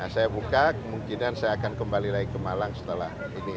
saya buka kemungkinan saya akan kembali lagi ke malang setelah ini